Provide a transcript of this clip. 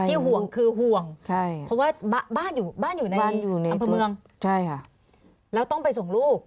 ที่ห่วงคือห่วงเพราะว่าบ้านอยู่ในอัมพมืองใช่ค่ะแล้วต้องไปส่งลูก